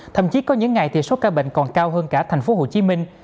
thậm chí có những ngày thì số ca bệnh còn cao hơn cả thành phố hồ chí minh